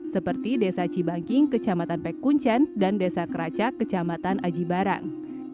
seperti desa cibanking kecamatan pek kuncen dan desa keraca kecamatan aji barang